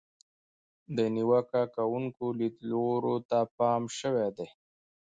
د نیوکه کوونکو لیدلورو ته پام شوی دی.